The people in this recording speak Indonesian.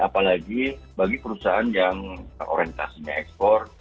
apalagi bagi perusahaan yang orientasinya ekspor